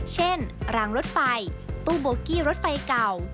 เช่นรางรถไฟตู้โบกี้รถไฟเก่า